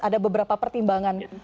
ada beberapa pertimbangan